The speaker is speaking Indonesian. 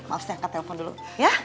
maaf saya angkat telpon dulu ya